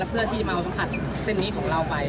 เพื่อที่มาสัมผัสเส้นนี้ของเราไป